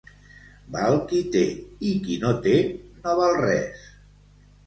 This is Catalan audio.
Val qui té, i qui no té, no val res.